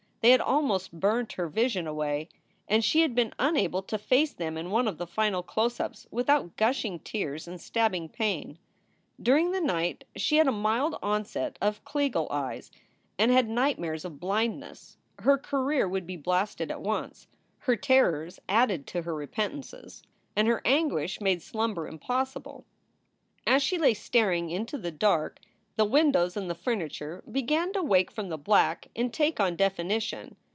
They had almost burnt her vision away, and she had been unable to face them in one of the final close ups without gushing tears and stabbing pain. During the night she had a mild onset of "Kliegl eyes" and had nightmares of blindness. Her career would be blasted at once. Her terrors added to her repentances and her anguish made slumber impossible. As she lay staring into the dark the windows and the fur niture began to wake from the black and take on definition.